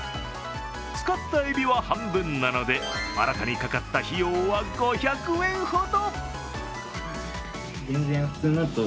使ったえびは半分なので新たにかかった費用は５００円ほど。